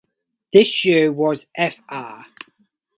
This year was Fr.